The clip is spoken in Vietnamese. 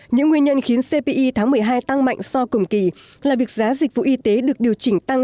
những nguyên nhân khiến cpi tháng một mươi hai tăng mạnh so cùng kỳ là việc giá dịch vụ y tế được điều chỉnh tăng